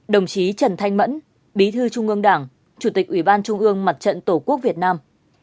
một mươi tám đồng chí trần thanh mẫn bí thư trung ương đảng chủ tịch ủy ban trung ương mặt trận tổ quốc việt nam